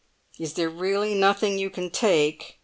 "Is there really nothing you can take?"